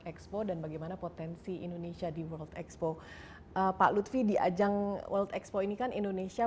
expo dan bagaimana potensi indonesia di world expo pak lutfi di ajang world expo ini kan indonesia